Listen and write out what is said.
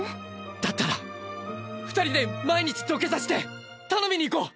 だったら二人で毎日土下座して頼みに行こう！